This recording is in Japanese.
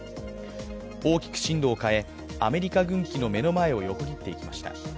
大きく進路を変え、アメリカ軍機の目の前を横切っていきました。